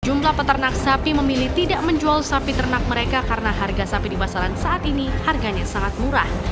jumlah peternak sapi memilih tidak menjual sapi ternak mereka karena harga sapi di pasaran saat ini harganya sangat murah